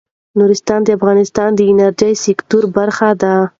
نورستان د افغانستان د انرژۍ سکتور برخه ده.